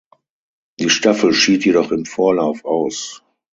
Die Staffel schied jedoch im Vorlauf aus.